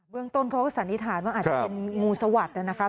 เรื่องต้นเขาก็สันนิษฐานว่าอาจจะเป็นงูสวัสดิ์นะครับ